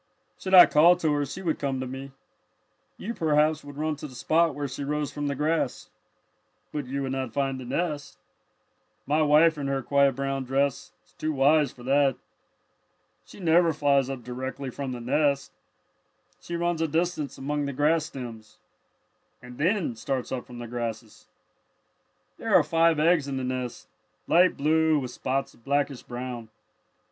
"Should I call to her she would come to me. You perhaps would run to the spot where she rose from the grass. But you would not find the nest. "My wife in her quiet brown dress is too wise for that. She never flies up directly from the nest. She runs a distance among the grass stems and then starts up from the grasses. "There are five eggs in the nest, light blue with spots of blackish brown.